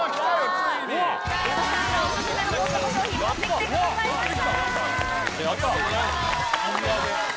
矢田さんがオススメのコストコ商品持ってきてくださいました。